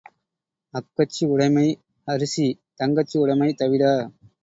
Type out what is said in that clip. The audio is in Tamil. அக்கச்சி உடைமை அரிசி தங்கச்சி உடைமை தவிடா?